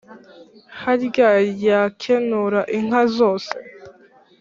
harya yakenura inka zose